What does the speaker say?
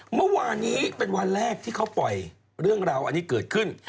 เมื่อวานนี้เป็นวันแรกที่เขาปล่อยเรื่องราวอันนี้เกิดขึ้น